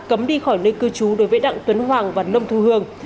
cấm đi khỏi nơi cư trú đối với đặng tuấn hoàng và nông thu hương